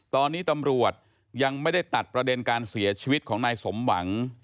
ตอนนี้ตำรวจยังไม่ได้ตัดประเด็นการเสียชีวิตของนายสมหวัง